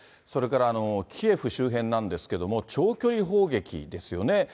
それから、キエフ周辺なんですけれども、長距離砲撃ですよね。